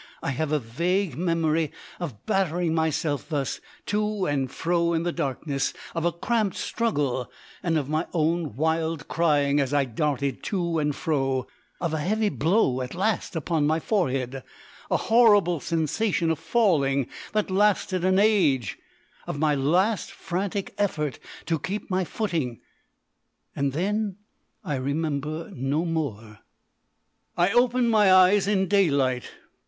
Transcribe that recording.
I have a vague memory of battering myself thus, to and fro in the darkness, of a cramped struggle, and of my own wild crying as I darted to and fro, of a heavy blow at last upon my forehead, a horrible sensation of falling that lasted an age, of my last frantic effort to keep my footing, and then I remember no more. I opened my eyes in daylight.